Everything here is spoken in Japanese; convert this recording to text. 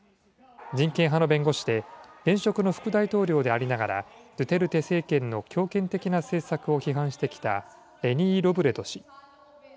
人権派の弁護士で、現職の副大統領でありながら、ドゥテルテ政権の強権的な政策を批判してきた、レニー・ロブレド氏。